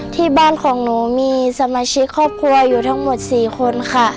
ที่บ้านของหนูมีสมาชิกครอบครัวอยู่ทั้งหมด๔คนค่ะ